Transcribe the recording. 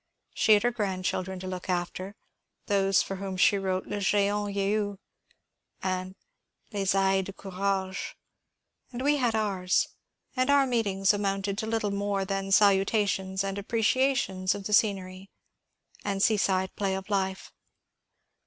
She had her grandchildren to look after, — those for whom she wrote ^^ Le g^ant Y^ous " and '^ Les ailes de Courage," — and we had ours, and our meetings amounted to little more than salutations and appreciations of the scen ery and seaside play of life.